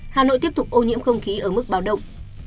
hà nội tiếp tục ô nhiễm không khí ở mức báo động